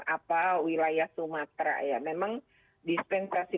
apa wilayah sumatera ya memang dispensasi